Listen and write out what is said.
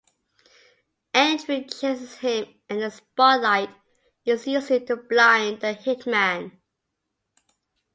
Andrew chases him and a spotlight is used to blind the hitman.